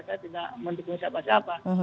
saya tidak mendukung siapa siapa